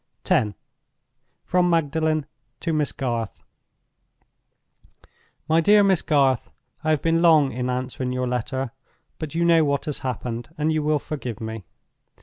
X. From Magdalen to Miss Garth. "MY DEAR MISS GARTH, "I have been long in answering your letter; but you know what has happened, and you will forgive me.